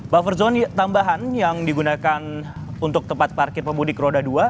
buffer zone tambahan yang digunakan untuk tempat parkir pemudik roda dua